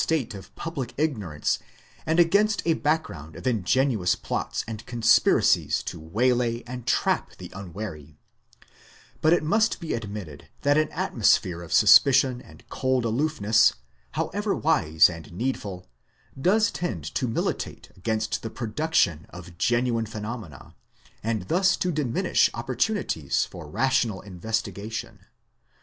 ate of public ignorance and against a background of ingenious plots and conspiracies to way lay and trap the unwary ; but it must be admitted that an atmos phere of suspicion and cold aloofness however wise and needful does tend to militate against the production of genuine phenomena, and thus to diminish opportunities for rational in vestigation.